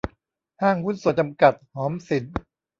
ห้างหุ้นส่วนจำกัด หอมสิน